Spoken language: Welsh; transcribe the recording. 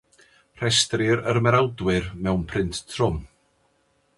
Rhestrir yr ymerawdwyr mewn print trwm.